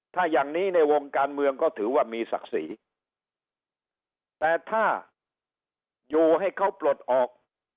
ถ้าอย่างนี้ในวงการเมืองก็ถือว่ามีศักดิ์ศรีแต่ถ้าอยู่ให้เขาปลดออก